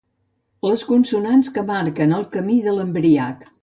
Les consonants que marquen el camí de l'embriac.